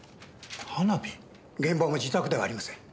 現場も自宅ではありません。